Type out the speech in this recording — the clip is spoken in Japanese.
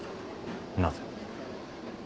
なぜ？